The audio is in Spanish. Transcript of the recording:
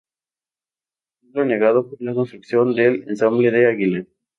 Pueblo anegado por la construcción del Embalse de Aguilar.